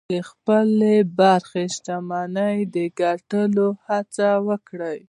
د خپلې برخې شتمني د ګټلو هڅه وکړئ.